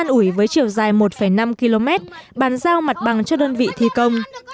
bán ủi với chiều dài một năm km bán giao mặt bằng cho đơn vị thi công